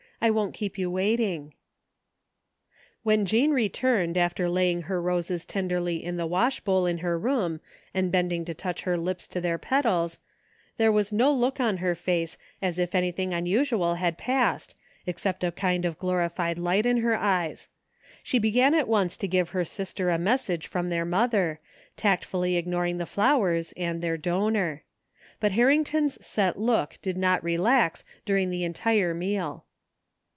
I won't keep you waiting." When Jean returned after laying her roses tenderly in the wash bowl in her room and bending to touch her lips to their petals, there was no look on her face as if 154 PROPZRV : OF [Hi NEW Ycs:: SOCIETY UBRARY THE FINDING OF JASPER HOLT anything unixsual had passed except a. kind of glorified light in her eyes. She began at once to give her sister a message from their mother, tactfully ignoring the flowers and their donor. But Harrington's set look did not relax during the entire meal.